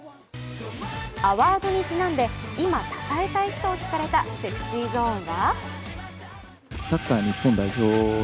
アワードにちなんで、今、讃えたい人を聞かれたＳｅｘｙＺｏｎｅは？